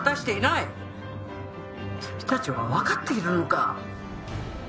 「君たちはわかっているのか？」